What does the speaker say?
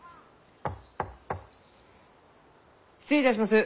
失礼いたします。